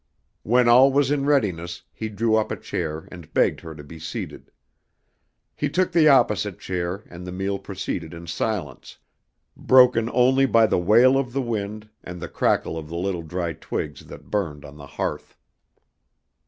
When all was in readiness he drew up a chair and begged her to be seated. He took the opposite chair and the meal proceeded in silence, broken only by the wail of the wind and the crackle of the little dry twigs that burned on the hearth.